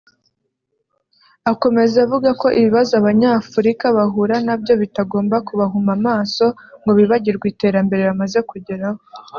Akomeza avuga ko ibibazo Abanyafurika bahura nabyo bitagomba kubahuma amaso ngo bibagirwe iterambere bamaze kugeraho